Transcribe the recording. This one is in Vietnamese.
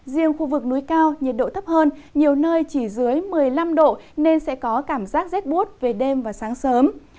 riêng khu vực núi cao nhiệt độ thấp hơn nhiều nơi chỉ dưới một mươi năm độ nên sẽ có cảm giác rét bút về đêm và sáng sớm